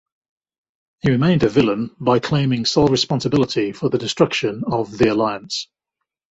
He remained a villain by claiming sole responsibility for the destruction of The Alliance.